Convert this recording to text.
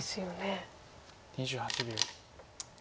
２８秒。